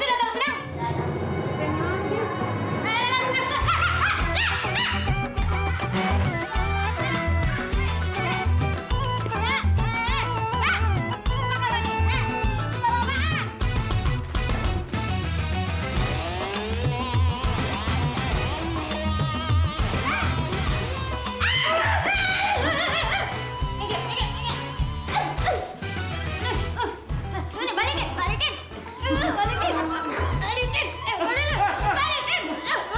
nyebut apa nyebut mak